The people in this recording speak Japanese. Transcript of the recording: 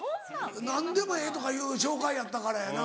何でもええとかいう紹介やったからやな。